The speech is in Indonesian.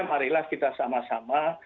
marilah kita sama sama